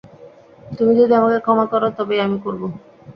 তুমি যদি আমাকে ক্ষমা করো, তবেই আমি করব।